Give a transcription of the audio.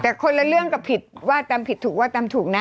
แต่คนละเรื่องกับผิดว่าตามผิดถูกว่าตามถูกนะ